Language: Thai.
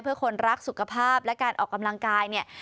เพื่อคนรักสุขภาพและการออกกำลังกายเนี่ย